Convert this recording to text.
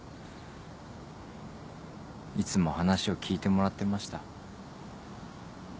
いつも話を聞いてもらってました。